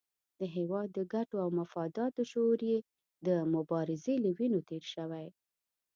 د هېواد د ګټو او مفاداتو شعور یې د مبارزې له وینو تېر شوی.